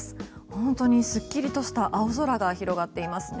本当にすっきりとした青空が広がっていますね。